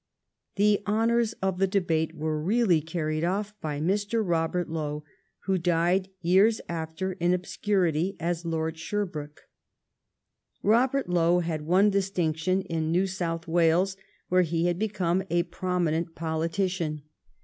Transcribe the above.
The honors of the debate were really carried off by Mr. Robert Lowe, who died years after in obscurity as Lord Sherbrooke. Robert Lowe had won distinction in New South Wales, where he had become a prominent politician.